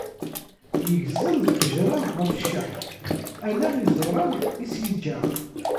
Yegzem ttejra ɣef cceḥ, ala iẓuran i as-yeǧǧa.